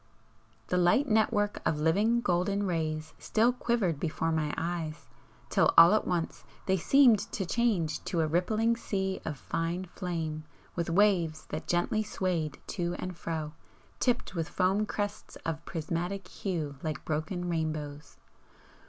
The light network of living golden rays still quivered before my eyes, till all at once they seemed to change to a rippling sea of fine flame with waves that gently swayed to and fro, tipped with foam crests of prismatic hue like broken rainbows.